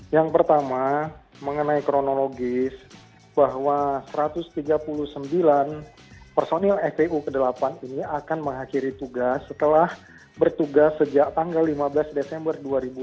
yang pertama mengenai kronologis bahwa satu ratus tiga puluh sembilan personil fpu ke delapan ini akan mengakhiri tugas setelah bertugas sejak tanggal lima belas desember dua ribu dua puluh